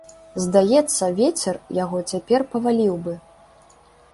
Здаецца, вецер яго цяпер паваліў бы.